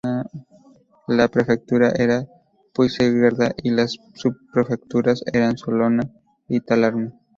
La prefectura era Puigcerdá y las subprefecturas eran Solsona y Talarn.